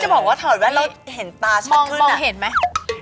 อ๋อจะบอกว่าถอดแว่นแล้วเห็นตาชัดขึ้นอ่ะมองเห็นไหม